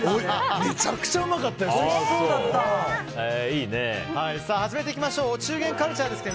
めちゃくちゃうまかったですよ。